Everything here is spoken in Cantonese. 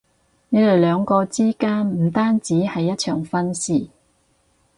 你哋兩個之間唔單止係一場婚事